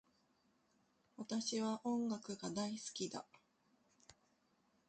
私は音楽が大好きだ